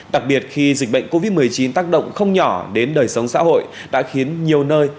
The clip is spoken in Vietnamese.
đặc biệt khi dịch bệnh covid một mươi chín tác động không nhỏ đến đời sống xã hội